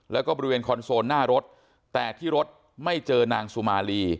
แล้วก็บริเวณคอนโซลหน้ารถแต่ที่รถไม่เจอนางสุมาลี